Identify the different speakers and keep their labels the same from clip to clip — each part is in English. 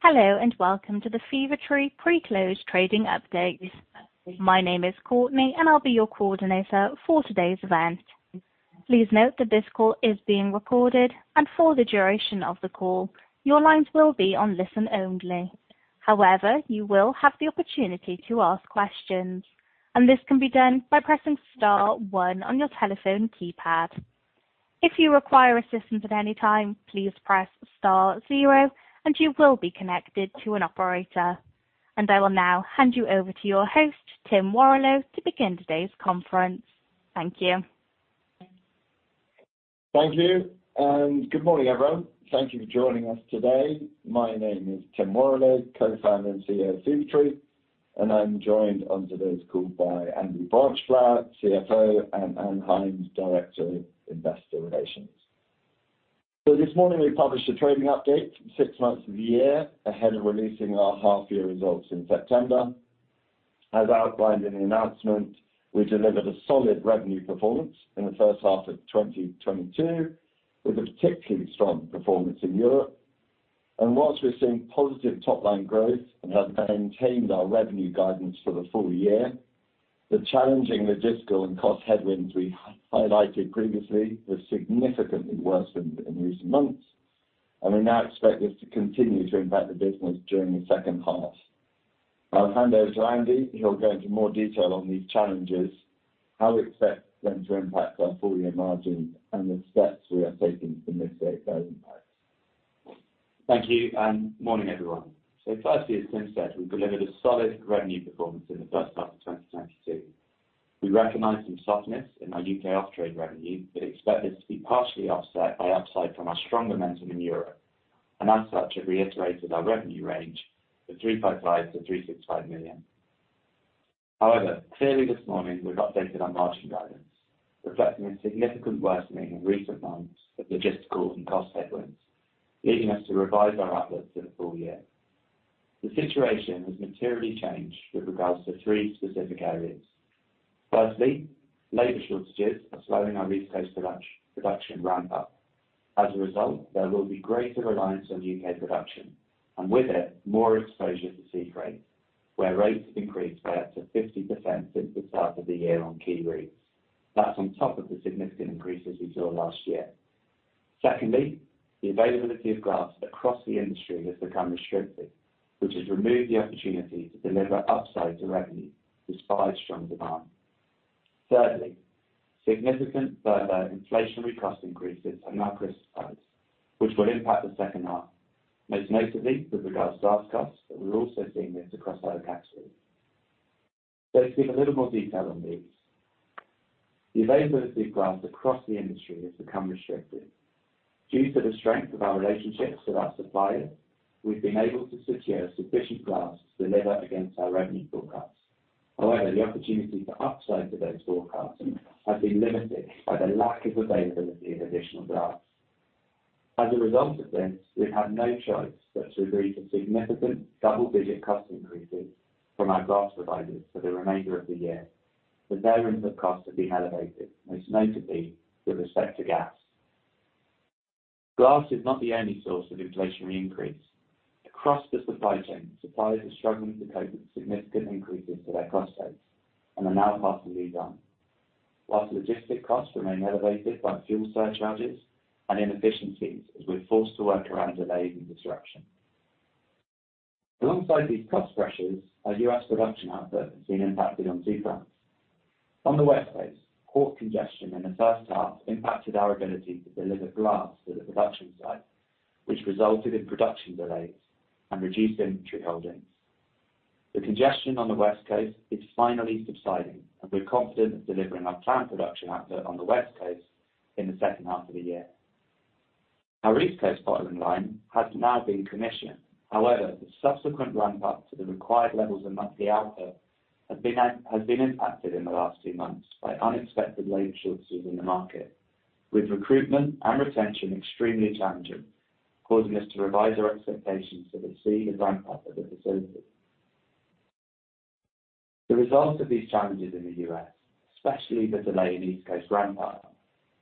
Speaker 1: Hello, and welcome to the Fever-Tree pre-close trading update. My name is Courtney, and I'll be your coordinator for today's event. Please note that this call is being recorded, and for the duration of the call, your lines will be on listen-only. However, you will have the opportunity to ask questions, and this can be done by pressing star one on your telephone keypad. If you require assistance at any time, please press star zero and you will be connected to an operator. I will now hand you over to your host, Tim Warrillow, to begin today's conference. Thank you.
Speaker 2: Thank you, and good morning, everyone. Thank you for joining us today. My name is Tim Warrillow, Co-Founder and CEO of Fever-Tree, and I'm joined on today's call by Andy Branchflower, CFO, and Ann Hynes, Director of Investor Relations. This morning, we published a trading update for the six months of the year ahead of releasing our half-year results in September. As outlined in the announcement, we delivered a solid revenue performance in the first half of 2022, with a particularly strong performance in Europe. While we're seeing positive top-line growth and have maintained our revenue guidance for the full year, the challenging logistical and cost headwinds we highlighted previously were significantly worse in recent months. We now expect this to continue to impact the business during the second half. I'll hand over to Andy, who'll go into more detail on these challenges, how we expect them to impact our full-year margin, and the steps we are taking to mitigate those impacts.
Speaker 3: Thank you and good morning, everyone. Firstly, as Tim said, we delivered a solid revenue performance in the first half of 2022. We recognized some softness in our U.K. off-trade revenue, but expect this to be partially offset by upside from our strong momentum in Europe. As such, have reiterated our revenue range of 355 million-365 million. However, clearly this morning we've updated our margin guidance, reflecting a significant worsening in recent months of logistical and cost headwinds, leading us to revise our outlook for the full year. The situation has materially changed with regards to three specific areas. Firstly, labor shortages are slowing our East Coast production ramp up. As a result, there will be greater reliance on U.K. production, and with it, more exposure to sea freight, where rates have increased by up to 50% since the start of the year on key routes. That's on top of the significant increases we saw last year. Secondly, the availability of glass across the industry has become restricted, which has removed the opportunity to deliver upside to revenue despite strong demand. Thirdly, significant further inflationary cost increases are now crystallizing, which will impact the second half, most notably with regards to glass costs, but we're also seeing this across other categories. Let's give a little more detail on these. The availability of glass across the industry has become restricted. Due to the strength of our relationships with our suppliers, we've been able to secure sufficient glass to deliver against our revenue forecasts. However, the opportunity to upside to those forecasts has been limited by the lack of availability of additional glass. As a result of this, we've had no choice but to agree to significant double-digit cost increases from our glass providers for the remainder of the year. The variance of costs have been elevated, most notably with respect to glass. Glass is not the only source of inflationary increase. Across the supply chain, suppliers are struggling to cope with significant increases to their cost base and are now passing these on. While logistic costs remain elevated by fuel surcharges and inefficiencies, as we're forced to work around delays and disruption. Alongside these cost pressures, our U.S. production output has been impacted on two fronts. On the West Coast, port congestion in the first half impacted our ability to deliver glass to the production site, which resulted in production delays and reduced inventory holdings. The congestion on the West Coast is finally subsiding, and we're confident of delivering our plant production output on the West Coast in the second half of the year. Our East Coast bottling line has now been commissioned. However, the subsequent ramp up to the required levels of monthly output has been impacted in the last two months by unexpected labor shortages in the market, with recruitment and retention extremely challenging, causing us to revise our expectations for the speed of ramp-up of the facility. The result of these challenges in the U.S., especially the delay in East Coast ramp-up,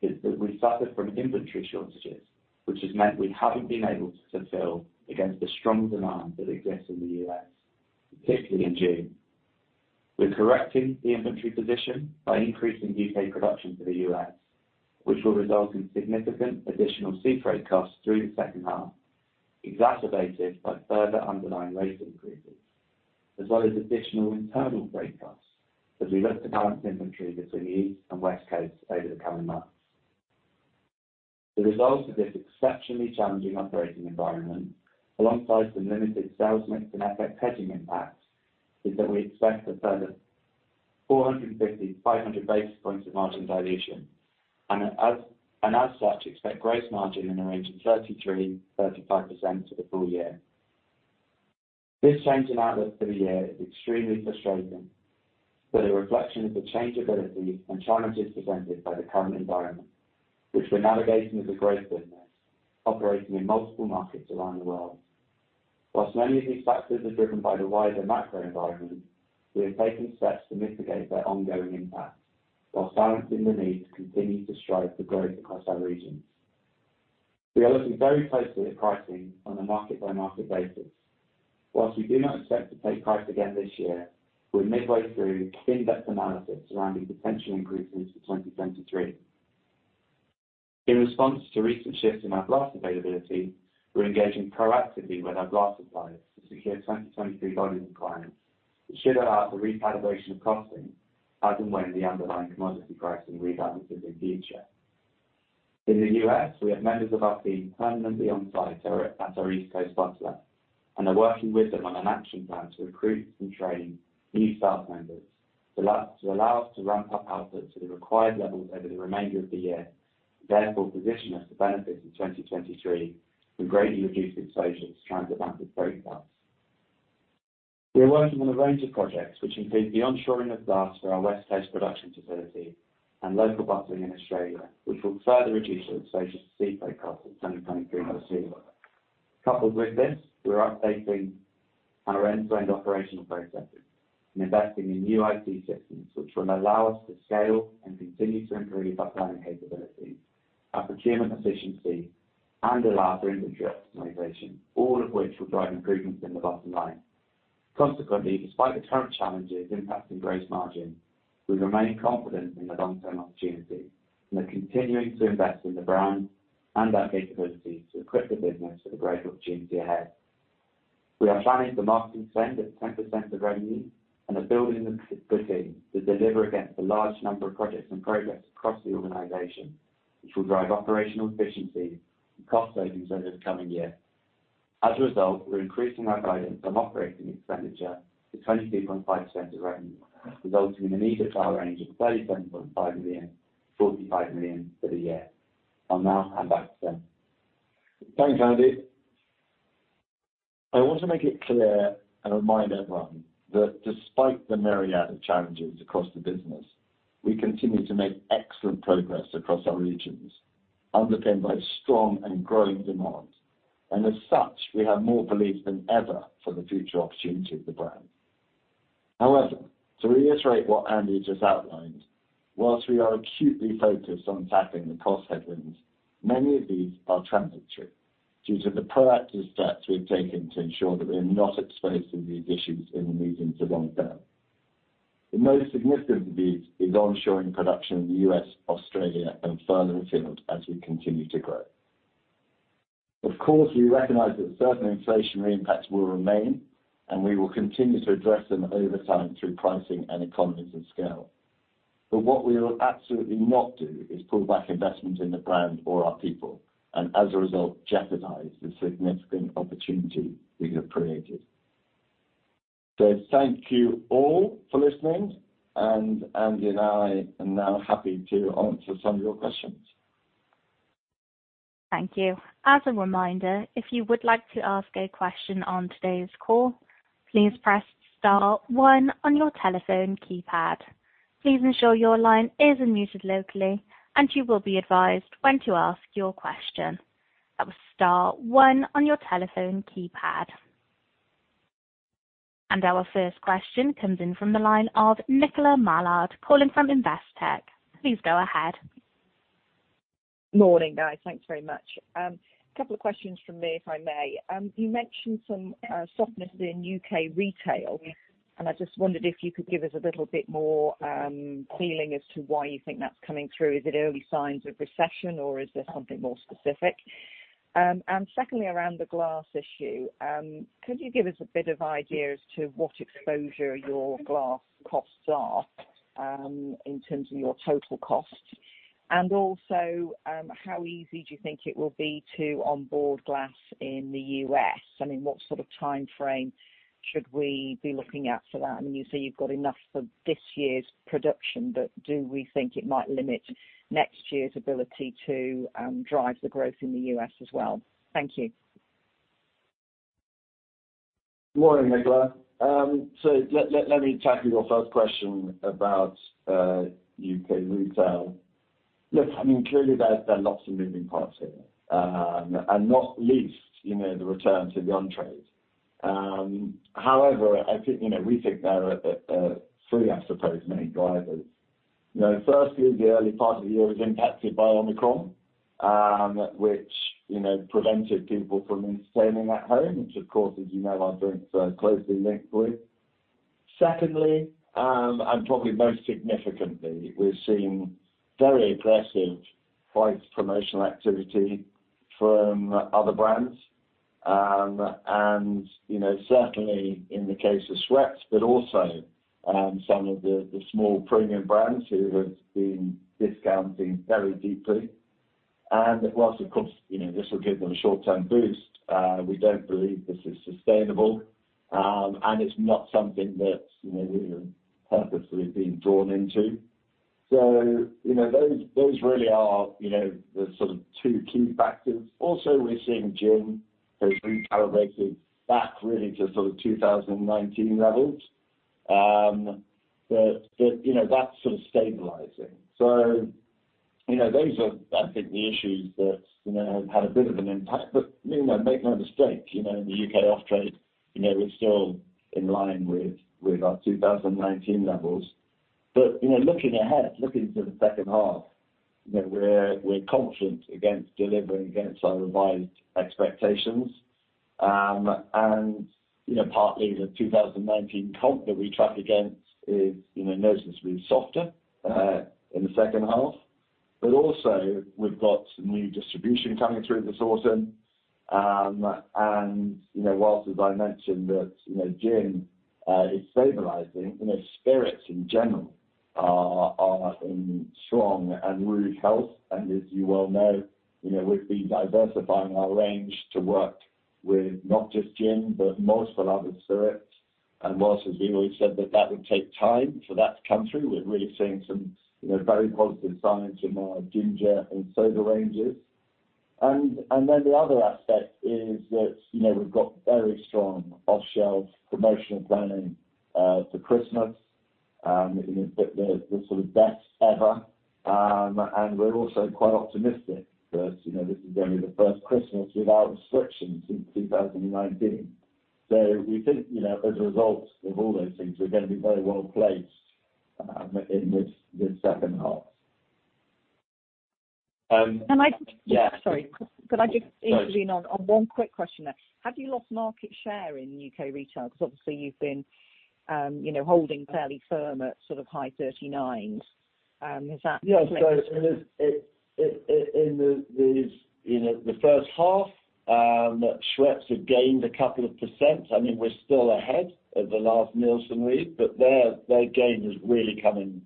Speaker 3: is that we suffered from inventory shortages, which has meant we haven't been able to fulfill against the strong demand that exists in the U.S., particularly in June. We're correcting the inventory position by increasing U.K. production to the U.S., which will result in significant additional sea freight costs through the second half, exacerbated by further underlying rate increases, as well as additional internal freight costs, as we look to balance inventory between the East and West Coasts over the coming months. The result of this exceptionally challenging operating environment, alongside some limited sales mix and FX hedging impacts, is that we expect a further 450-500 basis points of margin dilution, and as such, expect gross margin in the range of 33%-35% for the full year. This change in outlook for the year is extremely frustrating, but a reflection of the changeability and challenges presented by the current environment, which we're navigating as a growth business operating in multiple markets around the world. While many of these factors are driven by the wider macro environment, we have taken steps to mitigate their ongoing impact, while balancing the need to continue to strive for growth across our regions. We are looking very closely at pricing on a market by market basis. While we do not expect to take price again this year, we're midway through in-depth analysis surrounding potential increases for 2023. In response to recent shifts in our glass availability, we're engaging proactively with our glass suppliers to secure 2023 volume requirements. It should allow for recalibration of costing as and when the underlying commodity pricing rebalances in future. In the U.S., we have members of our team permanently on site at our East Coast bottler, and are working with them on an action plan to recruit and train new staff members to allow us to ramp up output to the required levels over the remainder of the year, therefore position us to benefit in 2023 and greatly reduce exposure to trans-Atlantic freight costs. We are working on a range of projects, which include the onshoring of glass for our West Coast production facility and local bottling in Australia, which will further reduce our exposure to seaway costs in 2023 and beyond. Coupled with this, we are up-taking our end-to-end operational processes and investing in new IT systems, which will allow us to scale and continue to improve our planning capabilities, our procurement efficiency and allow for inventory optimization, all of which will drive improvements in the bottom line. Consequently, despite the current challenges impacting gross margin, we remain confident in the long-term opportunity and are continuing to invest in the brand and our capabilities to equip the business for the great opportunity ahead. We are planning for marketing spend of 10% of revenue and are building a good team to deliver against the large number of projects and programs across the organization, which will drive operational efficiency and cost savings over the coming year. As a result, we're increasing our guidance on operating expenditure to 22.5% of revenue, resulting in an EBITDA range of 37.5 million-45 million for the year. I'll now hand back to Tim.
Speaker 2: Thanks, Andy. I want to make it clear and remind everyone that despite the myriad of challenges across the business, we continue to make excellent progress across our regions, underpinned by strong and growing demand. As such, we have more belief than ever for the future opportunity of the brand. However, to reiterate what Andy just outlined, while we are acutely focused on tackling the cost headwinds, many of these are transitory due to the proactive steps we've taken to ensure that we're not exposed to these issues in the medium to long term. The most significant of these is onshoring production in the U.S., Australia, and further afield as we continue to grow. Of course, we recognize that certain inflationary impacts will remain, and we will continue to address them over time through pricing and economies of scale. What we will absolutely not do is pull back investment in the brand or our people, and as a result, jeopardize the significant opportunity we have created. Thank you all for listening, and Andy and I are now happy to answer some of your questions.
Speaker 1: Thank you. As a reminder, if you would like to ask a question on today's call, please press star one on your telephone keypad. Please ensure your line is unmuted locally, and you will be advised when to ask your question. That was star one on your telephone keypad. Our first question comes in from the line of Nicola Mallard calling from Investec. Please go ahead.
Speaker 4: Morning, guys. Thanks very much. A couple of questions from me, if I may. You mentioned some softness in U.K. retail, and I just wondered if you could give us a little bit more feeling as to why you think that's coming through. Is it early signs of recession, or is there something more specific? And secondly, around the glass issue, could you give us a bit of idea as to what exposure your glass costs are in terms of your total cost? And also, how easy do you think it will be to onboard glass in the U.S.? I mean, what sort of timeframe should we be looking at for that? I mean, you say you've got enough for this year's production, but do we think it might limit next year's ability to, drive the growth in the U.S. as well? Thank you.
Speaker 2: Morning, Nicola. Let me tackle your first question about U.K. retail. Look, I mean, clearly there are lots of moving parts here. Not least, you know, the return to the on-trade. However, I think, you know, we think there are three, I suppose, main drivers. You know, firstly, the early part of the year was impacted by Omicron, which, you know, prevented people from entertaining at home, which of course, as you know, are very closely linked with. Secondly, and probably most significantly, we're seeing very aggressive price promotional activity from other brands. You know, certainly in the case of Schweppes, but also, some of the small premium brands who have been discounting very deeply. While, of course, you know, this will give them a short-term boost, we don't believe this is sustainable, and it's not something that, you know, we have purposefully been drawn into. You know, those really are, you know, the sort of two key factors. Also, we're seeing gin has recalibrated back really to sort of 2019 levels. But you know, that's sort of stabilizing. You know, those are, I think, the issues that, you know, have had a bit of an impact. You know, make no mistake, you know, in the U.K. off trade, you know, we're still in line with our 2019 levels. You know, looking ahead, looking to the second half, you know, we're confident against delivering against our revised expectations. You know, partly the 2019 comp that we track against is, you know, noticeably softer in the second half. Also, we've got some new distribution coming through this autumn. You know, whilst as I mentioned that, you know, gin is stabilizing, you know, spirits in general are in strong and rude health. As you well know, you know, we've been diversifying our range to work with not just gin, but more beloved spirits. While as we've always said that would take time for that to come through, we're really seeing some, you know, very positive signs in our ginger and soda ranges. Then the other aspect is that, you know, we've got very strong off-shelf promotional planning to Christmas, you know, the sort of best ever. We're also quite optimistic that, you know, this is gonna be the first Christmas without restrictions since 2019. We think, you know, as a result of all those things, we're gonna be very well placed in this second half.
Speaker 4: Can I just.
Speaker 3: Yeah.
Speaker 4: Sorry. Could I just interpose on one quick question there. Have you lost market share in U.K. retail? Cause obviously you've been, you know, holding fairly firm at sort of high 39%. Is that correct?
Speaker 2: Yeah. In the first half, Schweppes have gained a couple of percent. I mean, we're still ahead of the last Nielsen read, but their gain is really coming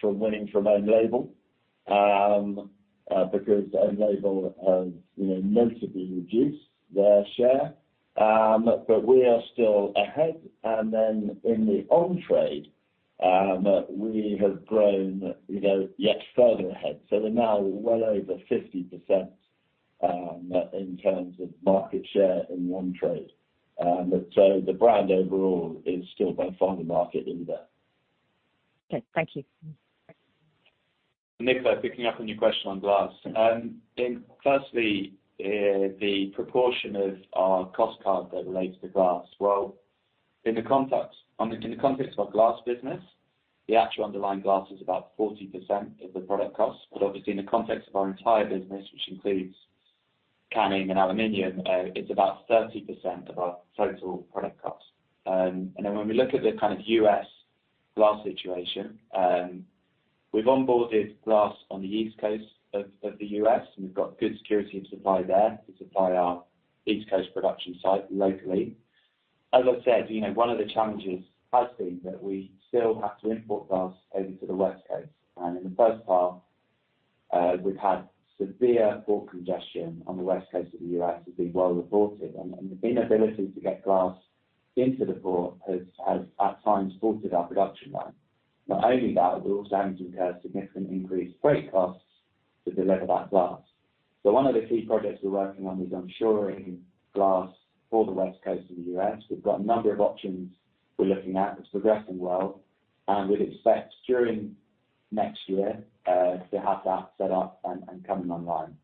Speaker 2: from winning from own label, because own label has you know notably reduced their share. We are still ahead. In the on-trade, we have grown you know yet further ahead. We're now well over 50% in terms of market share in on-trade. The brand overall is still by far the market leader.
Speaker 4: Okay. Thank you.
Speaker 3: Nick, picking up on your question on glass. Firstly, the proportion of our cost card that relates to glass. Well, in the context of our glass business, the actual underlying glass is about 40% of the product cost. Obviously in the context of our entire business, which includes canning and aluminum, it's about 30% of our total product cost. When we look at the kind of U.S. glass situation, we've onboarded glass on the East Coast of the U.S., and we've got good security of supply there to supply our East Coast production site locally. As I said, you know, one of the challenges has been that we still have to import glass over to the West Coast. In the first half, we've had severe port congestion on the West Coast of the U.S., as has been well reported, and the inability to get glass into the port has, at times, halted our production line. Not only that, we've also had to incur significantly increased freight costs to deliver that glass. One of the key projects we're working on is onshoring glass for the West Coast of the U.S. We've got a number of options we're looking at. It's progressing well, and we'd expect during next year to have that set up and coming online.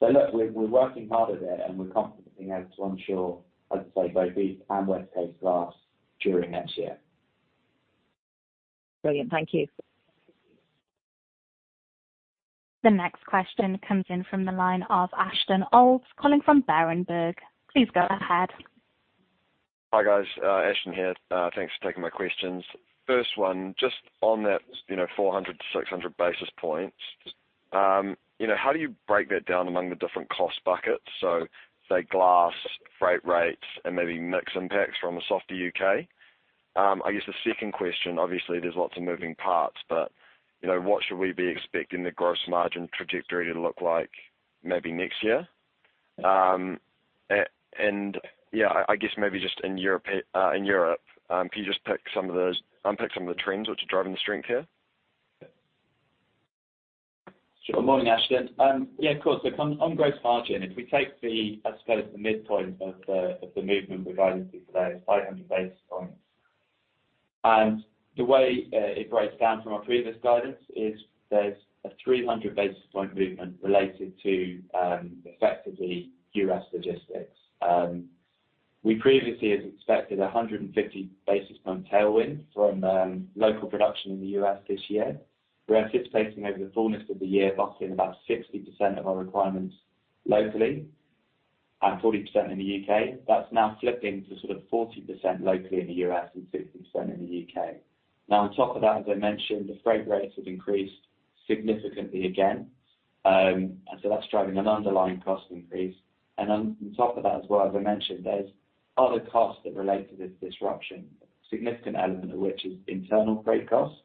Speaker 3: Look, we're working hard at it and we're confident in being able to onshore, as I say, both East and West Coast glass during next year.
Speaker 4: Brilliant. Thank you.
Speaker 1: The next question comes in from the line of Ashton Olds calling from Berenberg. Please go ahead.
Speaker 5: Hi, guys. Ashton here. Thanks for taking my questions. First one, just on that, you know, 400-600 basis points. You know, how do you break that down among the different cost buckets? So say glass, freight rates, and maybe mix impacts from a softer U.K. I guess the second question, obviously there's lots of moving parts, but, you know, what should we be expecting the gross margin trajectory to look like maybe next year? And yeah, I guess maybe just in Europe, can you just unpick some of the trends which are driving the strength here?
Speaker 3: Sure. Morning, Ashton. Of course. Look, on gross margin, if we take, I suppose, the midpoint of the movement we've guided to today, it's 500 basis points. The way it breaks down from our previous guidance is there's a 300 basis point movement related to effectively U.S. logistics. We previously had expected a 150 basis point tailwind from local production in the U.S. this year. We are anticipating over the fullness of the year, sourcing about 60% of our requirements locally and 40% in the U.K. That's now flipping to sort of 40% locally in the U.S. and 60% in the U.K. Now, on top of that, as I mentioned, the freight rates have increased significantly again. That's driving an underlying cost increase. On top of that as well, as I mentioned, there's other costs that relate to this disruption, significant element of which is internal freight costs,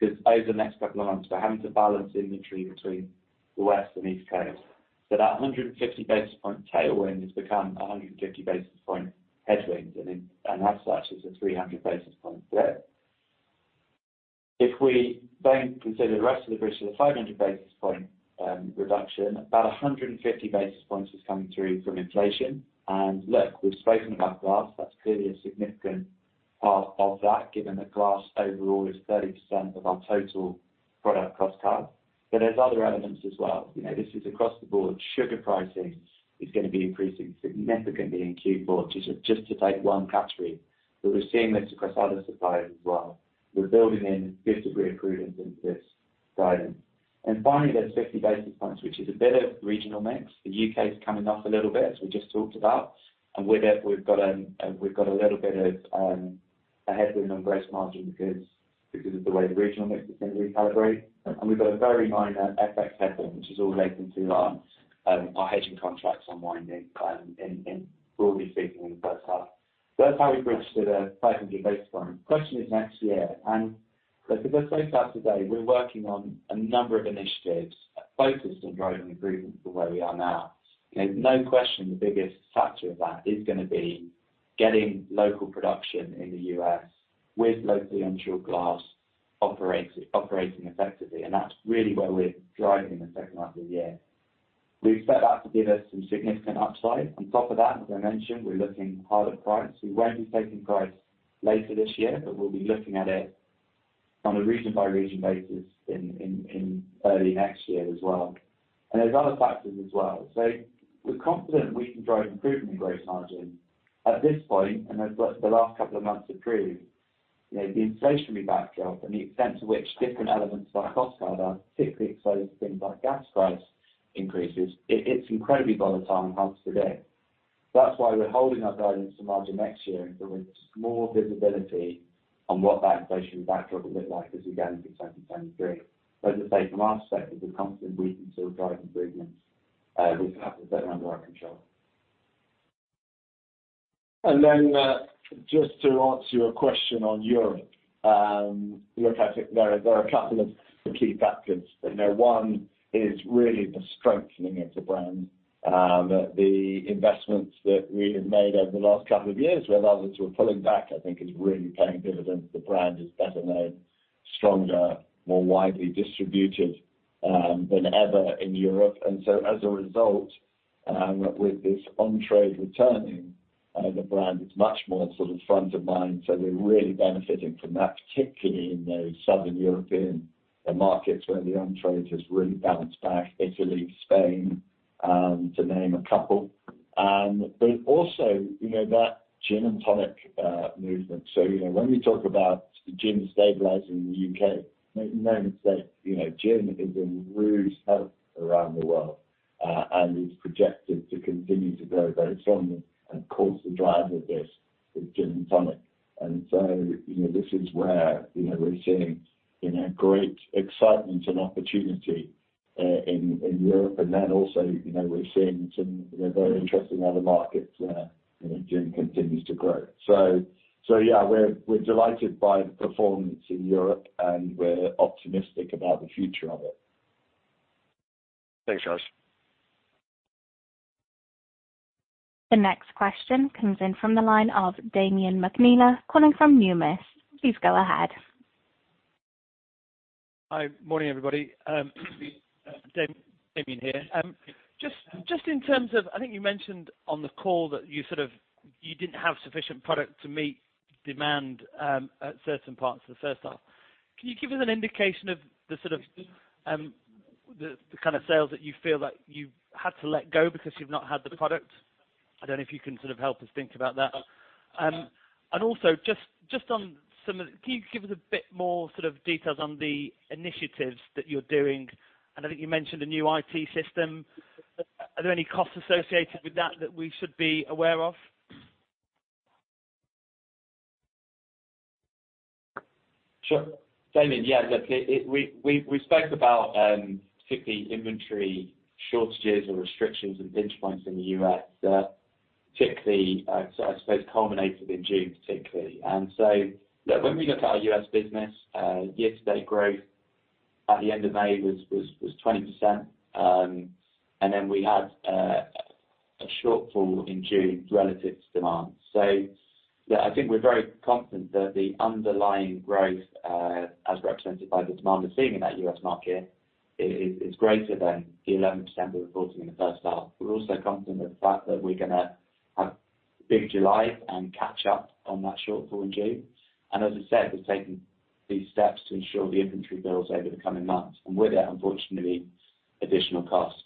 Speaker 3: cause over the next couple of months, we're having to balance inventory between the West and East Coast. That 150-basis points tailwind has become 150 basis points headwinds, and as such, it's a 300 basis points hit. If we then consider the rest of the bridge of the 500-basis points reduction, about 150 basis points is coming through from inflation. Look, we've spoken about glass, that's clearly a significant part of that, given that glass overall is 30% of our total product cost card. There're other elements as well. You know, this is across the board. Sugar pricing is gonna be increasing significantly in Q4, just to take one category. We're seeing this across other suppliers as well. We're building in fifth degree prudence into this guidance. Finally, there's 50 basis points, which is a bit of regional mix. The U.K. is coming off a little bit, as we just talked about. With it, we've got a little bit of a headwind on gross margin because of the way the regional mix is going to recalibrate. We've got a very minor FX headwind, which is all baked into our hedging contracts unwinding in broadly speaking in the first half. That's how we bridge to the 500-basis point. Question is next year. Look, as I say today we're working on a number of initiatives focused on driving improvement from where we are now. There's no question the biggest factor of that is gonna be getting local production in the U.S. with locally sourced glass operating effectively. That's really where we're driving the second half of the year. We expect that to give us some significant upside. On top of that, as I mentioned, we're looking hard at price. We won't be taking price later this year, but we'll be looking at it on a region-by-region basis in early next year as well. There're other factors as well. We're confident we can drive improvement in gross margin. At this point, as the last couple of months have proved, you know, the inflationary backdrop and the extent to which different elements of our cost card are particularly exposed to things like gas price increases, it's incredibly volatile and hard to predict. That's why we're holding our guidance to margin next year until there's more visibility on what that inflationary backdrop will look like as we go into 2023. As I say, from our perspective, we're confident we can still drive improvements with the factors that are under our control.
Speaker 2: Just to answer your question on Europe, look, I think there are a couple of key factors. You know, one is really the strengthening of the brand, that the investments that we have made over the last couple of years, where others were pulling back, I think is really paying dividends. The brand is better known, stronger, more widely distributed, than ever in Europe. As a result, with this on-trade returning, the brand is much more sort of front of mind. We're really benefiting from that, particularly in those southern European markets where the on-trade has really bounced back, Italy, Spain, to name a couple. Also, you know, that gin and tonic movement. You know, when we talk about gin stabilizing in the U.K., you know, gin is in rude health around the world, and is projected to continue to grow very strongly and of course the driver of this is gin and tonic. You know, this is where, you know, we're seeing, you know, great excitement and opportunity in Europe. And then also, you know, we're seeing some, you know, very interesting other markets where, you know, gin continues to grow. So yeah, we're delighted by the performance in Europe, and we're optimistic about the future of it.
Speaker 3: Thanks, Ashton Olds.
Speaker 1: The next question comes in from the line of Damian McNeela calling from Numis. Please go ahead.
Speaker 6: Hi. Morning, everybody. Damian here. Just in terms of, I think you mentioned on the call that you sort of didn't have sufficient product to meet demand at certain parts of the first half. Can you give us an indication of the sort of the kind of sales that you feel that you had to let go because you've not had the product? I don't know if you can sort of help us think about that. Also just on some of the. Can you give us a bit more sort of details on the initiatives that you're doing? I think you mentioned a new IT system. Are there any costs associated with that that we should be aware of?
Speaker 3: Sure. Damian, yeah, look, we spoke about particularly inventory shortages or restrictions and pinch points in the U.S. that particularly, I suppose, culminated in June, particularly. Look, when we look at our U.S. business, year-to-date growth at the end of May was 20%. And then we had a shortfall in June relative to demand. Look, I think we're very confident that the underlying growth as represented by the demand we're seeing in that U.S. market is greater than the 11% we reported in the first half. We're also confident of the fact that we're gonna have a big July and catch up on that shortfall in June. As I said, we've taken these steps to ensure the inventory builds over the coming months and with it, unfortunately, additional costs.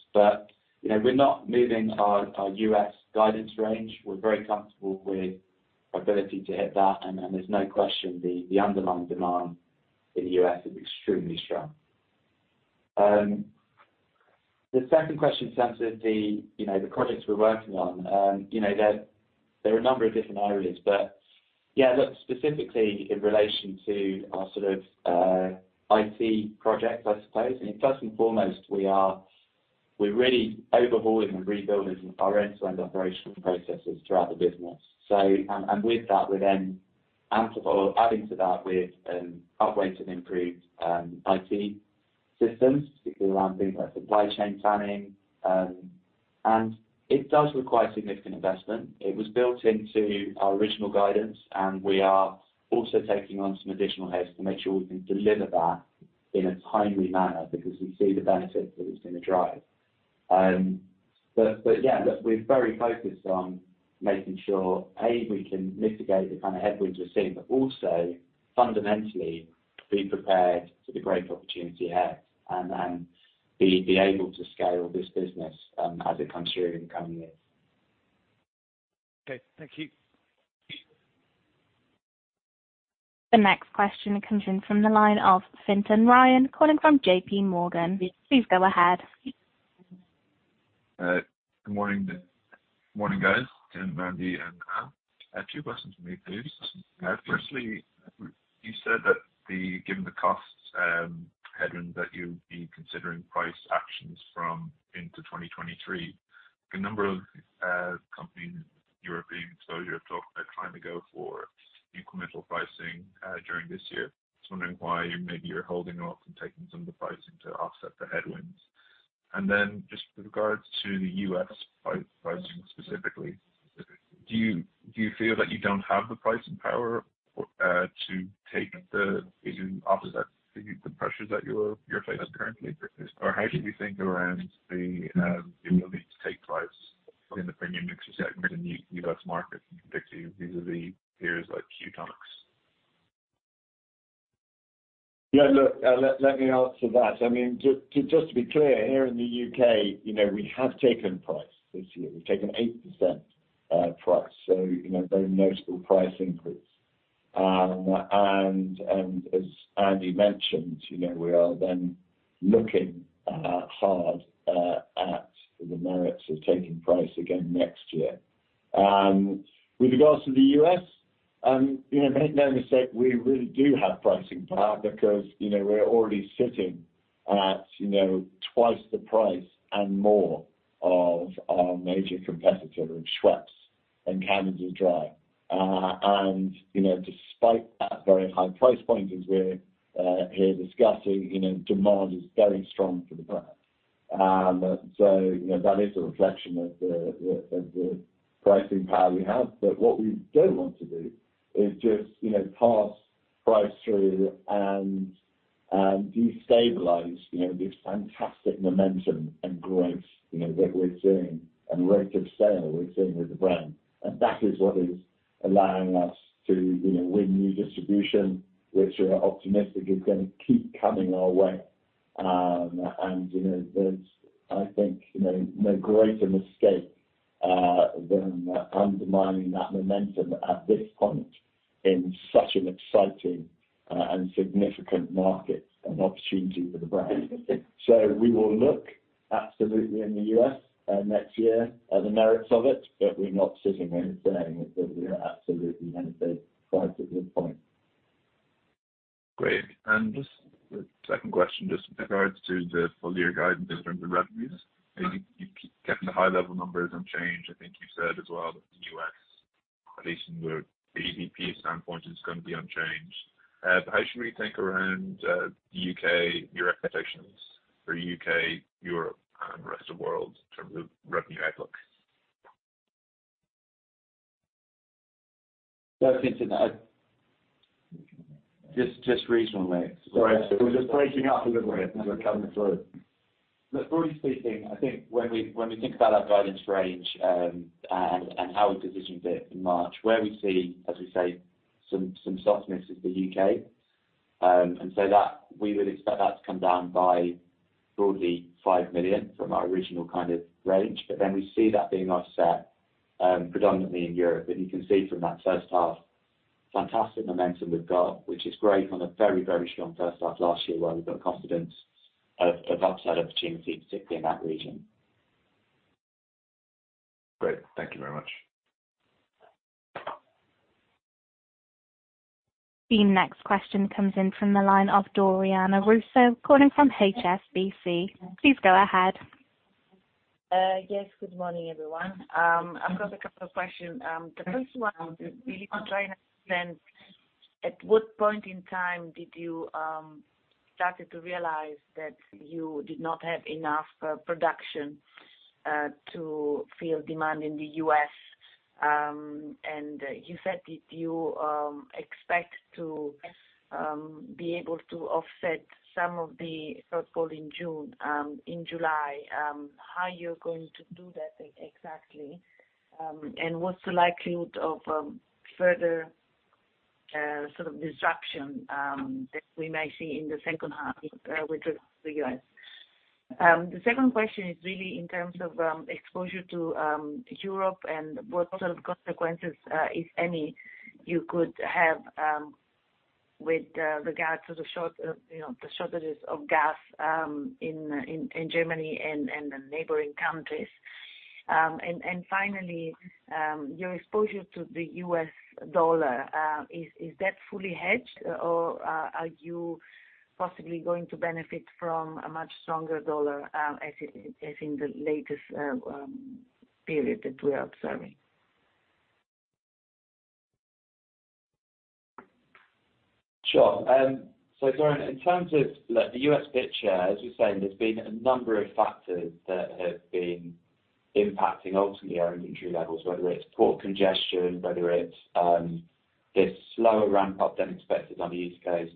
Speaker 3: you know, we're not moving our U.S. guidance range. We're very comfortable with our ability to hit that. there's no question the underlying demand in the U.S. is extremely strong. The second question in terms of the you know the projects we're working on, you know, there are a number of different areas. yeah, look, specifically in relation to our sort of IT project, I suppose. I mean, first and foremost, we're really overhauling and rebuilding our end-to-end operational processes throughout the business. with that, we're then adding to that with upgraded, improved IT systems, particularly around things like supply chain planning. and it does require significant investment. It was built into our original guidance, and we are also taking on some additional heads to make sure we can deliver that in a timely manner because we see the benefit that it's gonna drive. Yeah, look, we're very focused on making sure A, we can mitigate the kind of headwinds we're seeing, but also fundamentally be prepared for the great opportunity ahead and be able to scale this business as it comes through in the coming years.
Speaker 6: Okay, thank you.
Speaker 1: The next question comes in from the line of Fintan Ryan calling from JPMorgan. Please go ahead.
Speaker 7: Good morning. Good morning, guys, Tim, Andy, and Ann Hynes. I have two questions for me, please.
Speaker 2: Yes.
Speaker 7: Firstly, you said that given the costs headroom that you'd be considering price actions from into 2023. The number of companies with European exposure have talked some time ago for incremental pricing during this year. Just wondering why maybe you're holding off and taking some of the pricing to offset the headwinds. Then just with regards to the U.S. pricing specifically, do you feel that you don't have the pricing power to take pricing to offset the pressures that you're facing currently? Or how should we think around the ability to take price in the premium mixer segment in the U.S. market compared to these other peers like Q Mixers?
Speaker 2: Yeah, look, let me answer that. I mean, just to be clear, here in the U.K., you know, we have taken price this year. We've taken 8% price, so you know, very noticeable price increase. As Andy mentioned, you know, we are then looking hard at the merits of taking price again next year. With regards to the U.S., you know, make no mistake, we really do have pricing power because, you know, we're already sitting at, you know, twice the price and more of our major competitor in Schweppes and Canada Dry. You know, despite that very high price point, as we're here discussing, you know, demand is very strong for the brand. You know, that is a reflection of the pricing power we have. what we don't want to do is just, you know, pass price through and destabilize, you know, this fantastic momentum and growth, you know, that we're seeing and rate of sale we're seeing with the brand. That is what is allowing us to, you know, win new distribution, which we're optimistic is gonna keep coming our way. you know, there's I think, you know, no greater mistake than undermining that momentum at this point in such an exciting and significant market and opportunity for the brand. we will look absolutely in the U.S. next year at the merits of it, but we're not sitting here saying that we are absolutely gonna raise price at this point.
Speaker 7: Great. Just the second question, just with regards to the full year guidance in terms of revenues.
Speaker 2: Mm-hmm.
Speaker 7: You keep getting the high level numbers unchanged. I think you said as well that the U.S., at least from the EBITDA standpoint, is gonna be unchanged. How should we think around, the U.K., your expectations for U.K., Europe and the rest of world in terms of revenue outlook?
Speaker 3: Just into that. Just reasonably.
Speaker 2: Sorry. We're just breaking up a little bit as we're coming through.
Speaker 3: Broadly speaking, I think when we think about our guidance range and how we positioned it in March, where we see, as we say, some softness in the U.K. We would expect that to come down by broadly 5 million from our original kind of range. We see that being offset predominantly in Europe. You can see from that first half fantastic momentum we've got, which is great on a very, very strong first half last year where we've got confidence of upside opportunity, particularly in that region.
Speaker 7: Great. Thank you very much.
Speaker 1: The next question comes in from the line of Doriana Russo, calling from HSBC. Please go ahead.
Speaker 8: Yes. Good morning, everyone. I've got a couple of questions. The first one is really to try and understand at what point in time did you started to realize that you did not have enough production to fill demand in the U.S.? You said that you expect to be able to offset some of the shortfall in June in July, how you're going to do that exactly? What's the likelihood of further sort of disruption that we may see in the second half with regards to the U.S.? The second question is really in terms of exposure to Europe and what sort of consequences, if any, you could have with regards to the shortages of gas, you know, in Germany and the neighboring countries. Finally, your exposure to the U.S. dollar, is that fully hedged or are you possibly going to benefit from a much stronger dollar, as in the latest period that we are observing?
Speaker 3: Sure. Doriana, in terms of like the U.S. share, as you're saying, there's been a number of factors that have been. Impacting ultimately our inventory levels, whether it's port congestion, whether it's this slower ramp up than expected on the East Coast.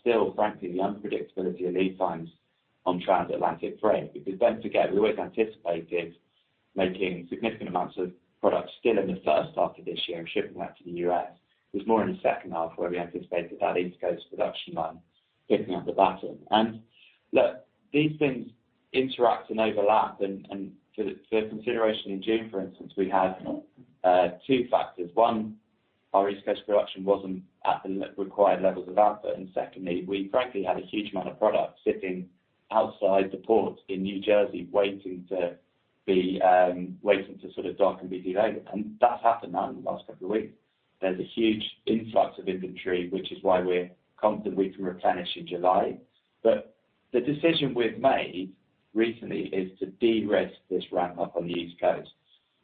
Speaker 3: Still, frankly, the unpredictability of lead times on transatlantic freight. Because don't forget, we always anticipated making significant amounts of products still in the first half of this year and shipping that to the U.S. It was more in the second half where we anticipated that East Coast production line picking up the battle. Look, these things interact and overlap and for consideration in June, for instance, we had two factors. One, our East Coast production wasn't at the required levels of output, and secondly, we frankly had a huge amount of product sitting outside the ports in New Jersey waiting to sort of dock and be delivered. That's happened now in the last couple of weeks. There's a huge influx of inventory, which is why we're confident we can replenish in July. The decision we've made recently is to de-risk this ramp up on the East Coast.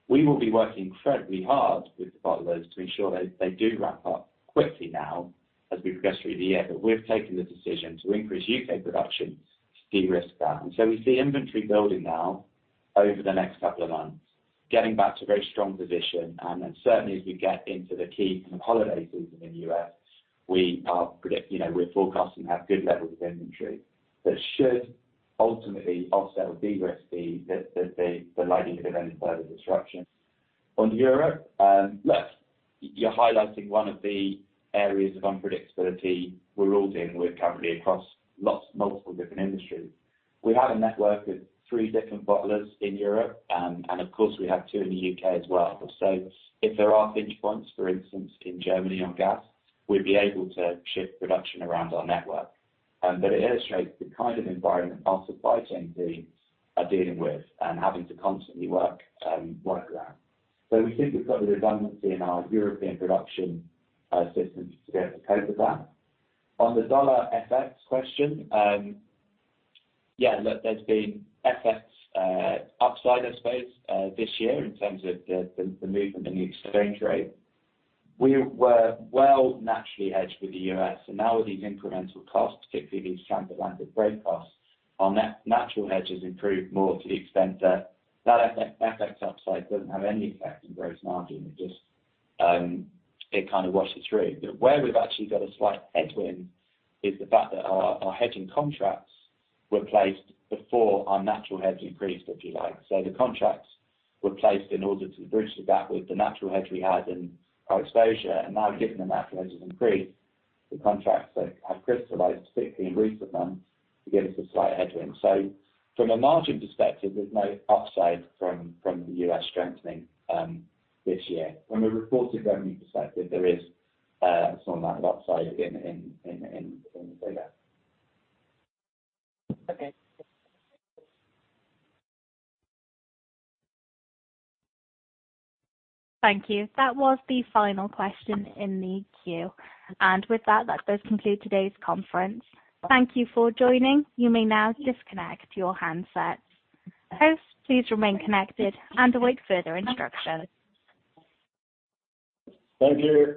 Speaker 3: We will be working incredibly hard with the bottlers to ensure they do ramp up quickly now as we progress through the year. We've taken the decision to increase U.K. production to de-risk that. We see inventory building now over the next couple of months, getting back to a very strong position. Then certainly as we get into the key kind of holiday season in the U.S., you know, we're forecasting to have good levels of inventory that should ultimately offset or de-risk the likelihood of any further disruption. On Europe, look, you're highlighting one of the areas of unpredictability we're all dealing with currently across multiple different industries. We have a network of three different bottlers in Europe, and of course we have two in the U.K. as well. If there are pinch points, for instance, in Germany on gas, we'd be able to shift production around our network. But it illustrates the kind of environment our supply chain teams are dealing with and having to constantly work around. We think we've got the redundancy in our European production systems to be able to cope with that. On the dollar FX question, yeah, look, there's been FX upside, I suppose, this year in terms of the movement in the exchange rate. We were well naturally hedged with the U.S., and now with these incremental costs, particularly these transatlantic freight costs, our natural hedges improved more to the extent that FX upside doesn't have any effect on gross margin. It just, it kind of washes through. Where we've actually got a slight headwind is the fact that our hedging contracts were placed before our natural hedge increased, if you like. The contracts were placed in order to bridge the gap with the natural hedge we had in our exposure. Now given the natural hedge has increased, the contracts have crystallized, particularly in recent months, to give us a slight headwind. From a margin perspective, there's no upside from the U.S. strengthening this year. From a reported revenue perspective, there is some of that upside in the data.
Speaker 8: Okay.
Speaker 1: Thank you. That was the final question in the queue. With that does conclude today's conference. Thank you for joining. You may now disconnect your handsets. Hosts, please remain connected and await further instructions.
Speaker 2: Thank you.